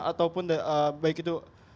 ataupun baik itu